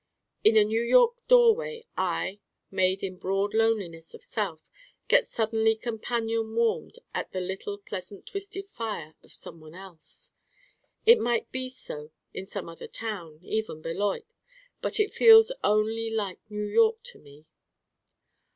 In a New York doorway I, made in broad loneliness of self, get suddenly companion warmed at the little pleasant twisted fire of someone else. It might be so in some other town, even Beloit, but it feels only like New York to me.